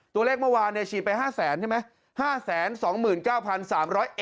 ตัวเลขเมื่อวานเนี่ยฉีดไป๕แสนใช่ไหม